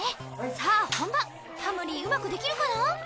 さあ本番はむりぃうまくできるかな？